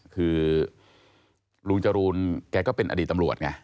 คือลุงจรูนแกก็เป็นอดีตตำรวจไง